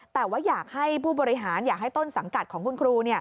แต่ว่าอยากให้ผู้บริหารอยากให้ต้นสังกัดของคุณครู